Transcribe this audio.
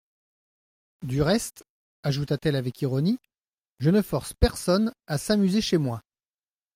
Du reste, ajouta-t-elle avec ironie, je ne force personne à s'amuser chez moi.